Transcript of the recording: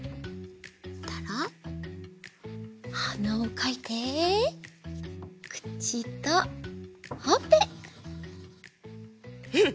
はなをかいてくちとほっぺ！